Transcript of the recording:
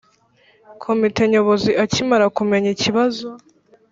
Komite Nyobozi Akimara kumenya ikibazo